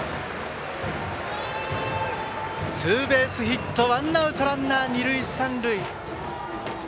ツーベースヒットワンアウトランナー、二塁三塁。